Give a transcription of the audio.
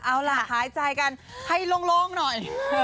เอาล่ะหายใจกันให้โล่งหน่อย